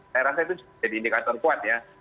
saya rasa itu jadi indikator kuat ya